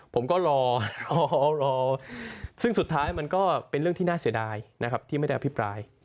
ผมก็รอรอซึ่งสุดท้ายมันก็เป็นเรื่องที่น่าเสียดายนะครับที่ไม่ได้อภิปราย